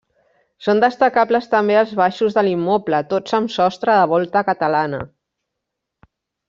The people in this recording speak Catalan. Són destacables també els baixos de l'immoble, tots amb sostre de volta catalana.